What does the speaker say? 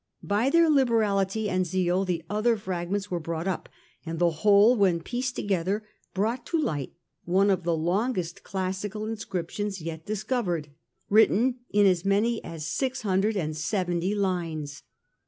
By their liberality and zeal the other fragments were bought up, and the whole when pieced together brought to light one of the longest classical inscriptions yet discovered, written in as many as 670 lines.